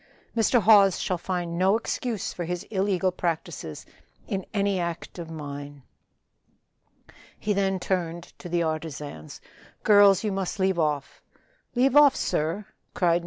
Mr. Hawes shall find no excuse for his illegal practices in any act of mine." He then turned to the artisans. "Girls, you must leave off." "Leave off, sir?" cried No.